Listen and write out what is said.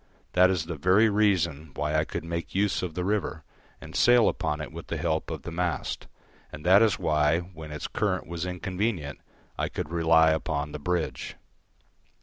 That is the very reason why I could make use of the river, and sail upon it with the help of the mast, and that is why, when its current was inconvenient, I could rely upon the bridge.